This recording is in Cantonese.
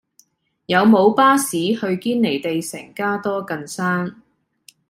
有無巴士去堅尼地城加多近山